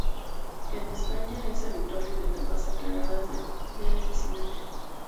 En España es habitual en etapas aclaradas del encinar.